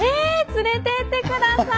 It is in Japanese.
連れてって下さい！